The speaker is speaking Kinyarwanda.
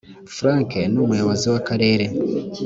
frank numuyobozi wakarere.